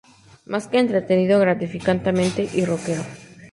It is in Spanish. Más que entretenido, gratificante y roquero.